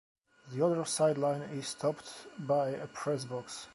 The other sideline is topped by a press box.